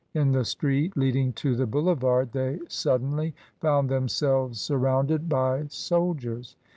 In the street leading to the Boulevard they suddenly found themselves sur rounded by soldiers.